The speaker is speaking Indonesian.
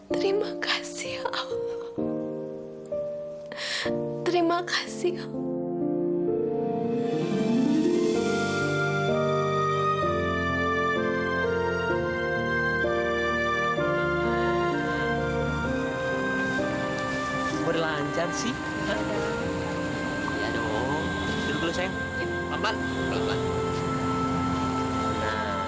terima kasih ya allah terima kasih ya allah